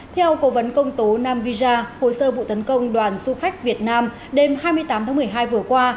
theo cố vấn công tố nam visa hồ sơ vụ tấn công đoàn du khách việt nam đêm hai mươi tám tháng một mươi hai vừa qua